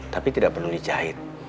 tapi tidak perlu dijahit